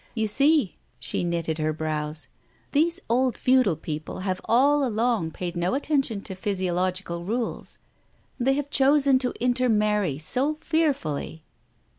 You see," she knitted her brows, " these old feudal people have all along paid no attention to physiological rules ; they have chosen to intermarry so fearfully."